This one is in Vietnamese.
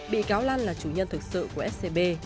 bị cáo lan là chủ nhân thực sự của scb